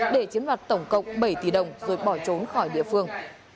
để chiếm đoạt tổng cộng bảy tỷ đồng rồi bỏ trốn khỏi địa phương